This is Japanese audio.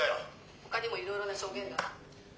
「ほかにもいろいろな証言が」。